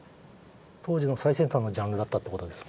当時の最先端のジャンルだったってことですね。